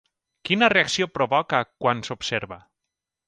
Quina reacció provoca quan s'observa?